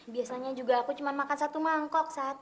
biasanya juga aku cuma makan satu mangkok